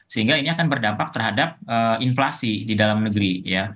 sehingga ini akan berdampak terhadap inflasi di dalam negeri